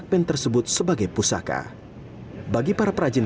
kemudian kiswah dari ali